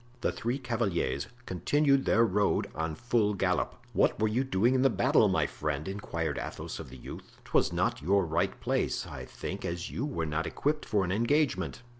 The three cavaliers continued their road on full gallop. "What were you doing in the battle, my friend?" inquired Athos of the youth; "'twas not your right place, I think, as you were not equipped for an engagement!"